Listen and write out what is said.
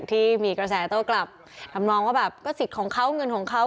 ที่มีกระแสโต้กลับทำนองว่าแบบก็สิทธิ์ของเขาเงินของเขา